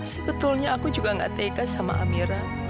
sebetulnya aku juga gak teka sama amira